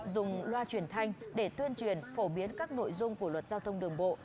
dùng loa truyền thanh để tuyên truyền phổ biến các nội dung của luật giao thông đường bộ